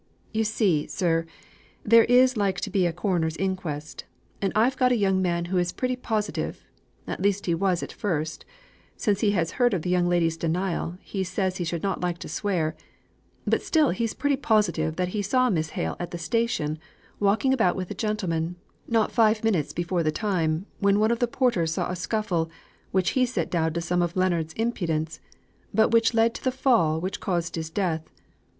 "You see, sir, there is like to be a coroner's inquest; and I've got a young man who is pretty positive, at least he was at first; since he has heard of the young lady's denial, he says he should not like to swear; but still he's pretty positive that he saw Miss Hale at the station, walking about with a gentleman, not five minutes before the time, when one of the porters saw a scuffle, which he set down to some of Leonards' impudence but which led to the fall which caused his death.